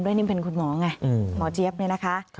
นิ่มเป็นคุณหมอไงหมอเจี๊ยบเนี่ยนะคะ